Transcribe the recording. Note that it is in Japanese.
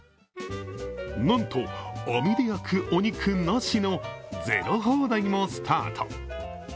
なんと、網で焼くお肉なしのゼロ放題もスタート。